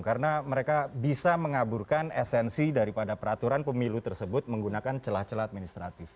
karena mereka bisa mengaburkan esensi daripada peraturan pemilu tersebut menggunakan celah celah administratif